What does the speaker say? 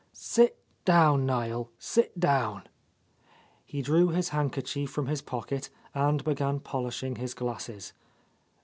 "Sit down, Niel, sit down.'' He drew his handkerchief from his pocket and began pol ishing his glasses.